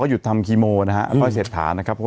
ลด๑๐กิโลลดไป๑๐กิโล